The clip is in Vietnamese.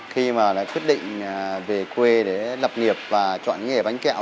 khi mà quyết định về quê để lập nghiệp và chọn nghề bánh kẹo